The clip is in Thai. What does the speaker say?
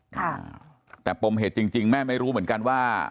ค่ะแต่ปมเหตุจริงแม่ไม่รู้เหมือนกันว่า